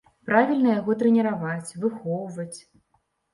Правільна яго трэніраваць, выхоўваць.